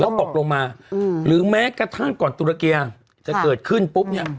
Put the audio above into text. แล้วตกลงมาหรือแม้กระทั่งก่อนตุรเกียร์จะเกิดขึ้นปุ๊บเนี่ย